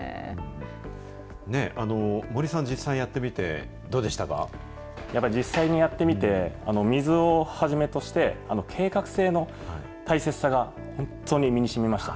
森さん、実際やってみて、どやっぱり実際にやってみて、水をはじめとして、計画性の大切さが本当に身にしみました。